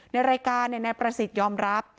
ในรายการนายประสิทธิ์ยอมรับ